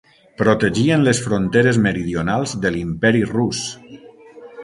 Protegien les fronteres meridionals de l'Imperi Rus.